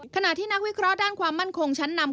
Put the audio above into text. ขณะที่นักวิเคราะห์ด้านความมั่นคงชั้นนำ